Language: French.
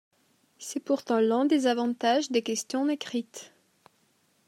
C'est pourtant l'un des avantages des questions écrites.